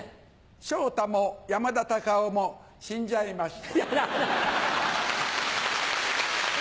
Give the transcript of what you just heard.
昇太も山田隆夫も死んじゃいました。